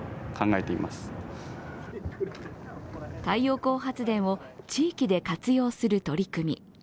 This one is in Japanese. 太陽光発電を地域で活用する取り組み。